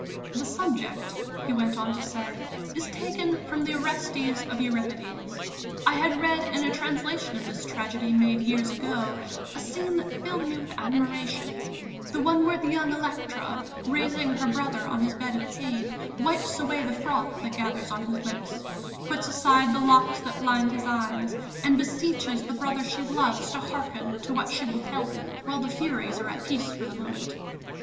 "The subject," he went on to say, "is taken from the Orestes of Euripides. I had read, in a translation of this tragedy made years ago, a scene that filled me with admiration, the one where the young Electra, raising her brother on his bed of pain, wipes away the froth that gathers on his lips, puts aside the locks that blind his eyes and beseeches the brother she loves to hearken to what she will tell him while the Furies are at peace for the moment....